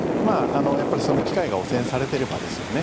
やっぱりその機械が汚染されていればですよね。